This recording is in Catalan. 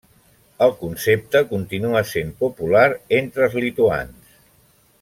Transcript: El concepte continua sent popular entre els lituans.